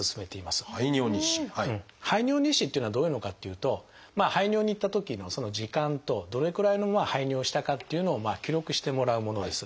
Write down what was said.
排尿日誌っていうのはどういうのかっていうと排尿に行ったときの時間とどれくらいの排尿をしたかっていうのを記録してもらうものです。